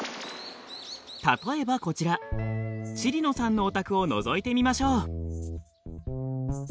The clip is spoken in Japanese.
例えばこちら地理野さんのお宅をのぞいてみましょう。